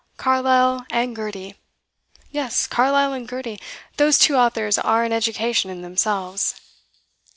Carlyle and Gurty! Yes, Carlyle and Gurty; those two authors are an education in themselves.